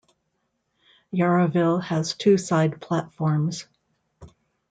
Yarraville has two side platforms.